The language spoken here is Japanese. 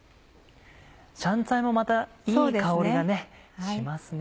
香菜もまたいい香りがしますね。